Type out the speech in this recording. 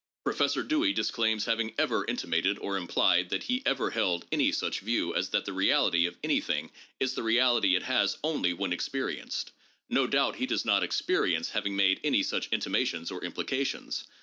Professor Dewey disclaims having ever intimated or implied that he ever held any such view as that the reality of anything is the reality it has only when experienced. No doubt he does not experi ence having made any such intimations or implications.